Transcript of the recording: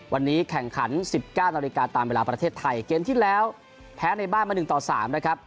วันนี้แข่งขัน๑๙นาฬิกาตามเวลาประเทศไทยเกมที่แล้วแพ้ในบ้านมา๑ต่อ๓นะครับ